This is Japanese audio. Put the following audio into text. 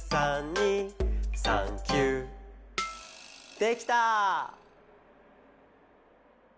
できた！